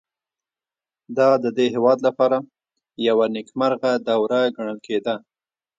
دا د دې هېواد لپاره یوه نېکمرغه دوره ګڼل کېده.